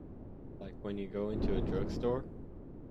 Like when you go into a drugstore.